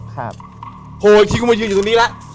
ครับโหอีกทีคุณมายืนอยู่ตรงนี้ละ